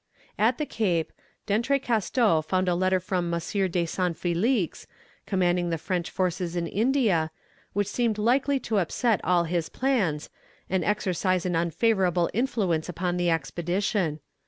At the Cape, D'Entrecasteaux found a letter from M. de Saint Felix, commanding the French forces in India, which seemed likely to upset all his plans, and exercise an unfavourable influence upon the expedition.